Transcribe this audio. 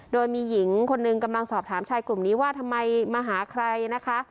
โดยมีหญิงคนหนึ่งกำลังสอบถามชายกลุ่มนี้ว่าทำไมมาหาใครนะคะ